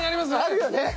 あるよね！